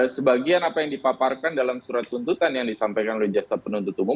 sebagian apa yang dipaparkan dalam surat tuntutan yang disampaikan oleh jaksa penuntut umum